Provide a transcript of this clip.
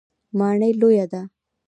ماڼۍ لویه ده.